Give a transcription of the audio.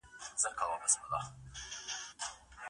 که بد عمل ونه کړو نو نوم نه بدیږي.